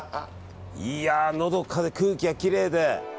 いやぁのどかで空気がきれいで。